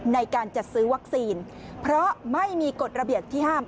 ในการจัดซื้อวัคซีนเพราะไม่มีกฎระเบียบที่ห้าม